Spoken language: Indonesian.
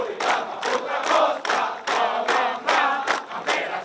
ini langkah mil